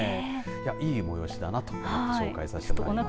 いい催しだなと思って紹介させてもらいました。